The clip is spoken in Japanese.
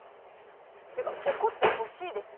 ていうか怒ってほしいです。